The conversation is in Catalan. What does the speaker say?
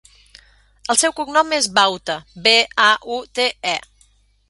El seu cognom és Baute: be, a, u, te, e.